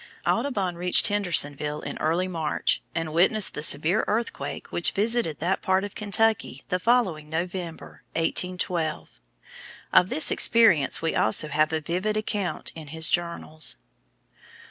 Audubon reached Hendersonville in early March, and witnessed the severe earthquake which visited that part of Kentucky the following November, 1812. Of this experience we also have a vivid account in his journals.